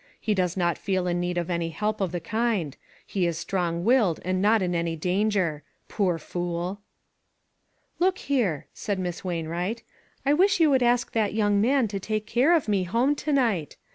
He does not feel in need of any help of the kind ; he is strong willed and not in any danger. Poor fool!" " Look here," said Miss Wainwright, " I wish you would ask that young man to take care of me home to night.